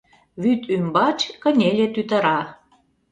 Вӱд ӱмбач кынеле тӱтыра.